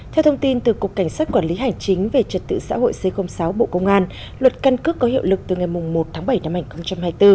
theo thông tin từ cục cảnh sát quản lý hành chính về trật tự xã hội c sáu bộ công an luật căn cước có hiệu lực từ ngày một tháng bảy năm hai nghìn hai mươi bốn